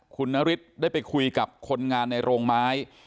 คุณนฤทธิ์ได้ไปคุยกับคนงานในโรงไม้